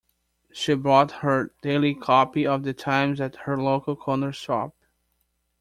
She bought her daily copy of The Times at her local corner shop